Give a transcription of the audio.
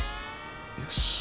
よし。